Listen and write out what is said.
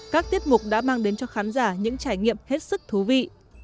các tiết mục đã mang đến cho khán giả những trải nghiệm hết sức thú vị